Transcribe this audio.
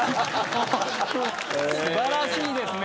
素晴らしいですね